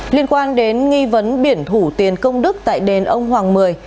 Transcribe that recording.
liên quan đến nghi vấn biển thủ tiền công đức tại đền ông hoàng mười